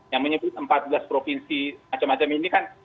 yang menyebut empat belas provinsi macam macam ini kan